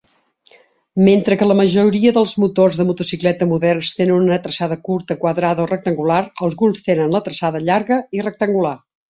Mentre que la majoria dels motors de motocicleta moderns tenen una traçada curta quadrada o rectangular, alguns tenen la traçada llarga i rectangular.